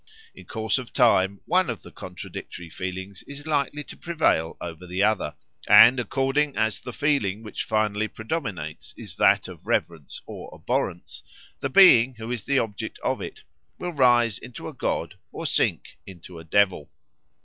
In course of time one of the contradictory feelings is likely to prevail over the other, and according as the feeling which finally predominates is that of reverence or abhorrence, the being who is the object of it will rise into a god or sink into a devil.